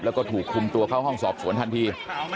แล้วก็ถูกคุมตัวเข้าห้องสอบสวนทันที